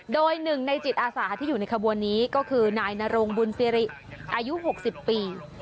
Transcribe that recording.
โดยหนึ่งในจิตอาสาที่อยู่ในขบวนนี้ก็คือนายนรงบุญสิริอายุ๖๐ปี